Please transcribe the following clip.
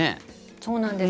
そうなんです。